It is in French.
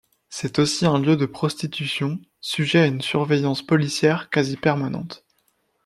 C'est aussi un lieu de prostitution sujet à une surveillance policière quasi permanente.